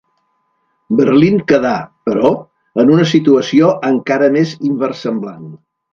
Berlín quedà, però, en una situació encara més inversemblant.